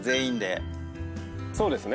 そうですね。